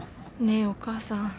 「ねえお母さん。